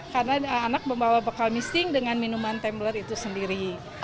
karena anak membawa bekal misting dengan minuman tembler itu sendiri